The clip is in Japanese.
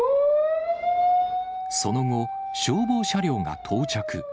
その後、消防車両が到着。